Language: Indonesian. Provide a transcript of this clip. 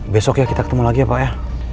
besok ya kita ketemu lagi ya pak ya